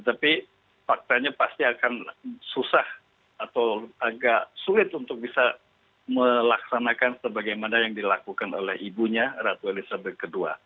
tapi faktanya pasti akan susah atau agak sulit untuk bisa melaksanakan sebagaimana yang dilakukan oleh ibunya ratu elizabeth ii